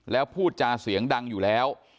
แล้วพูดจาเสียงดังอยู่แล้ว